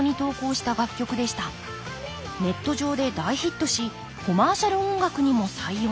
ネット上で大ヒットしコマーシャル音楽にも採用。